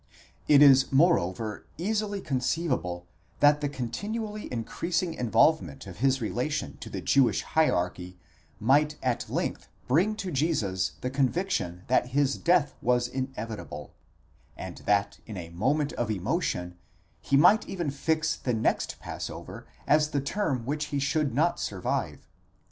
It is moreover easily conceivable, that the continually increasing involvement of his relation to the Jewish hierarchy, might at length bring to Jesus the conviction that his death was inevitable, and that in a moment of emotion he might even fix the next passover as the term which he should not survive.